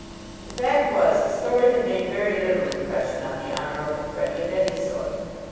The fact was, the story had made very little impression on the Honorable Freddie of any sort.